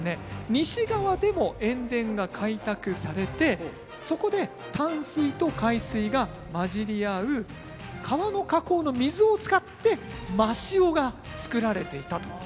西側でも塩田が開拓されてそこで淡水と海水が混じり合う川の河口の水を使って真塩が作られていたということなんですよね。